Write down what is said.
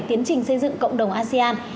tiến trình xây dựng cộng đồng asean